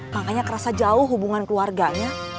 makanya kerasa jauh hubungan keluarganya